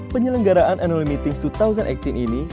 penyelenggaraan annual meetings dua ribu delapan belas ini